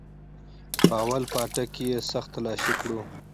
په اول پاټک کښې يې سخت تلاشي كړو.